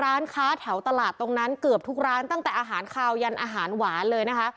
ร้านค้าแถวตลาดตรงนั้นเกือบทุกร้านตั้งแต่อาหารคาวยันอาหารหวานเลยนะคะ